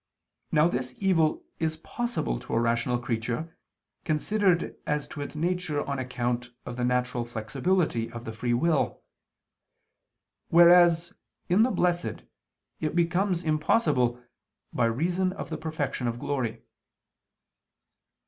Now this evil is possible to a rational creature considered as to its nature on account of the natural flexibility of the free will; whereas in the blessed, it becomes impossible, by reason of the perfection of glory.